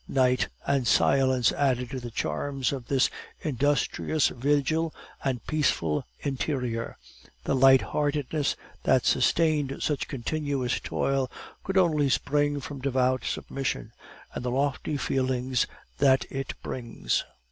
Night and silence added to the charms of this industrious vigil and peaceful interior. The light heartedness that sustained such continuous toil could only spring from devout submission and the lofty feelings that it brings.